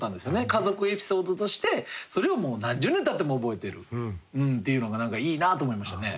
家族エピソードとしてそれをもう何十年たっても覚えてるっていうのがいいなと思いましたね。